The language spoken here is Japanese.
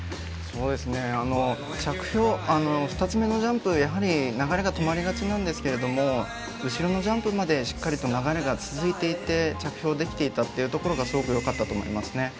そうですね、２つ目のジャンプ流れが止まりがちなんですが後ろのジャンプまでしっかりと流れが続いていて着氷できていたところがすごくよかったと思いますね。